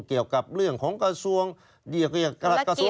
เกี่ยวกับเรื่องของกระทรวงเกษตร